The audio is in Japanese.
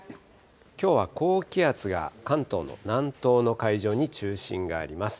きょうは高気圧が関東の南東の海上に中心があります。